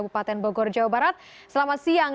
pak dewa selamat siang